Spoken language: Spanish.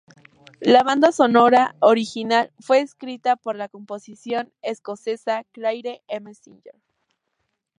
La banda sonora original fue escrita por la compositora escocesa Claire M Singer.